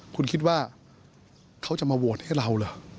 คุณคิดว่าเขาจะมาโหวตให้เราเหรอ